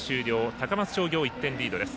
高松商業１点リードです。